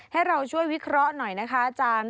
ให้เราช่วยวิเคราะห์หน่อยนะคะอาจารย์